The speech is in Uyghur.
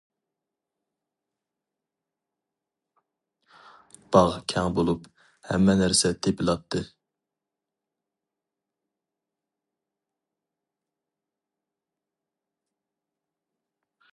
باغ كەڭ بولۇپ، ھەممە نەرسە تېپىلاتتى.